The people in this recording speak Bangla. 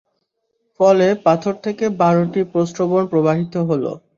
ফলে পাথর থেকে বারটি প্রস্রবণ প্রবাহিত হল।